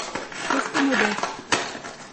Restez modeste